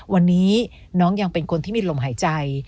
วันนี้น้องยังเป็นคนที่มีลมหายใจ